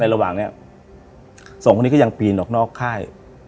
ระหว่างนี้สองคนนี้ก็ยังปีนออกนอกค่าย